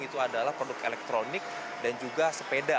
itu adalah produk elektronik dan juga sepeda